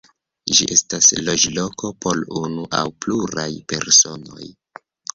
Ĝi estas loĝloko por unu aŭ pluraj personoj.